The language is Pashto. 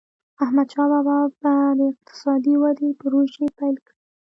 احمدشاه بابا به د اقتصادي ودي پروژي پیل کړي.